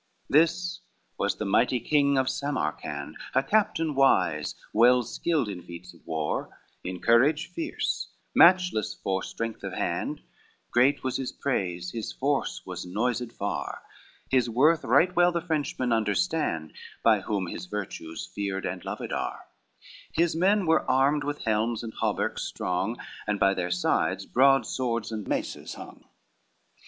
XXVII This was the mighty king of Samarcand, A captain wise, well skilled in feats of war, In courage fierce, matchless for strength of hand, Great was his praise, his force was noised far; His worth right well the Frenchmen understand, By whom his virtues feared and loved are: His men were armed with helms and hauberks strong, And by their sides broad swords and maces hong.